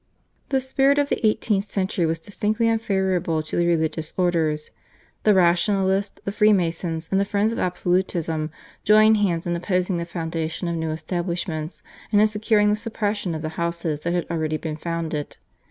The spirit of the eighteenth century was distinctly unfavourable to the religious orders. The Rationalists, the Freemasons, and the friends of absolutism joined hands in opposing the foundation of new establishments and in securing the suppression of the houses that had already been founded.